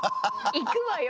「いくわよ」。